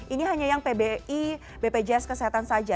ini hanya yang pbi bpjs kesehatan saja